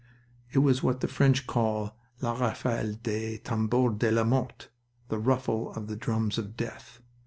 It was what the French call la rafale des tambours de la mort the ruffle of the drums of death.